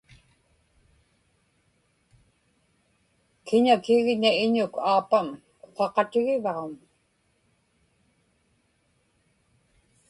kiña kigña iñuk aapam uqaqatigivauŋ?